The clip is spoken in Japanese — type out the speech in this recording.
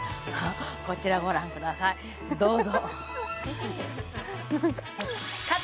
こちらを御覧ください、どうぞ。